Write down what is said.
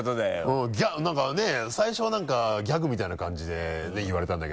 うんなんかねぇ最初はなんかギャグみたいな感じで言われたんだけど。